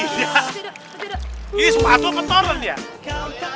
sepatu kotor kan dia